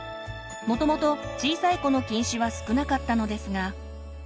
もともと小さい子の近視は少なかったのですが。